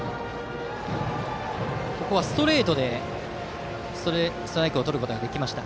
ストレートでストライクをとることができました。